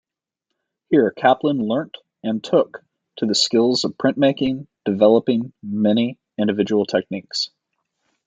Here Kaplan learnt and took to the skills of printmaking, developing many individual techniques.